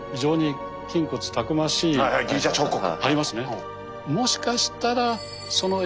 ありますね？